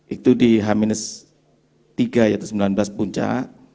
itu di h tiga yaitu sembilan belas puncak